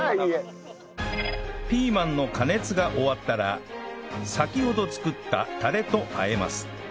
ピーマンの加熱が終わったら先ほど作ったタレとあえます